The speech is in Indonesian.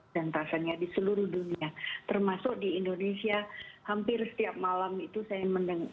rasanya di seluruh dunia termasuk di indonesia hampir setiap malam itu saya mendengar